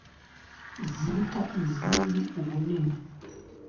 ziruta izindi ubunini.